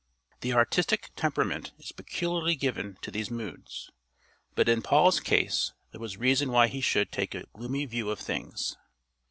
The artistic temperament is peculiarly given to these moods, but in Paul's case there was reason why he should take a gloomy view of things.